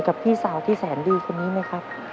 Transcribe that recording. พี่สาวที่แสนดีคนนี้ไหมครับ